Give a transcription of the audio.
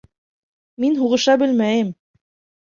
Мин һуғыша белмәйем.